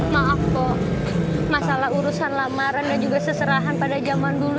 maaf kok masalah urusan lamaran dan juga seserahan pada zaman dulu